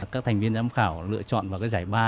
các thành viên giám khảo lựa chọn vào cái giải ba